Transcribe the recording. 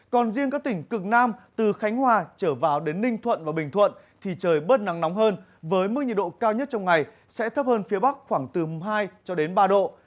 còn riêng các tỉnh cực nam từ khánh hòa trở vào đến ninh thuận và bình thuận thì trời bớt nắng nóng hơn với mức nhiệt độ cao nhất trong ngày sẽ thấp hơn phía bắc khoảng từ hai cho đến ba độ